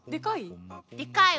でかい？